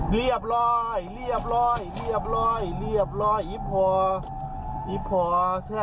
เจ๊ขับมาขับบ้านเจ๊ก็ไม่ได้ใส่อย่างเงี้ยตอนที่เจ๊ขอบรถแม่